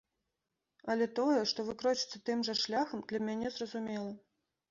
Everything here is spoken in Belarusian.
Але тое, што вы крочыце тым жа шляхам, для мяне зразумела.